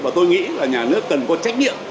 và tôi nghĩ là nhà nước cần có trách nhiệm